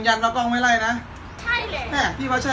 อยากถือเสียงนี้ให้ไง